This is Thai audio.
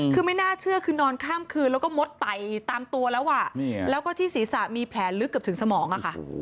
คือไม่น่าเชื่อคือนอนข้ามคืนแล้วก็มดไตตามตัวแล้วแล้วก็ที่ศีรษะมีแผลลึกเกือบถึงสมองอะค่ะ